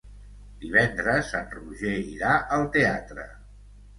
Divendres en Roger irà al teatre.